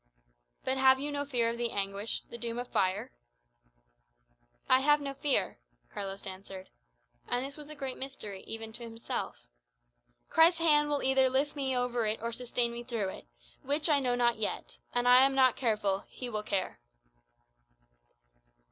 "But have you no fear of the anguish the doom of fire?" "I have no fear," Carlos answered. And this was a great mystery, even to himself. "Christ's hand will either lift me over it or sustain me through it; which, I know not yet. And I am not careful; he will care."